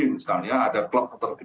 misalnya ada klub motor gede